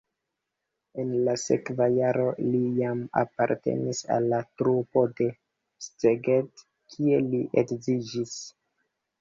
En la sekva jaro li jam apartenis al trupo de Szeged, kie li edziĝis.